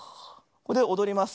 これでおどります。